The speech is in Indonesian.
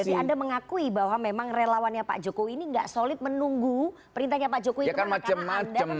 jadi anda mengakui bahwa memang relawannya pak jokowi ini gak solid menunggu perintahnya pak jokowi itu karena anda sudah menentukan pilihan demokrasi